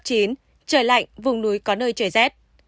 trời lạnh vùng núi có nơi trời rét